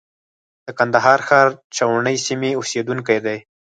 د کندهار ښار چاوڼۍ سیمې اوسېدونکی دی.